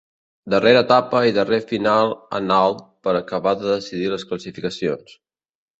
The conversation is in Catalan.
Darrera etapa i darrer final en alt per acabar de decidir les classificacions.